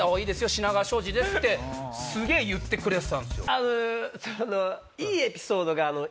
品川庄司です」ってすげぇ言ってくれてたんですよ。